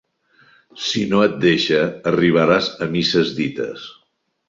Si no et deixa, arribaràs a misses dites.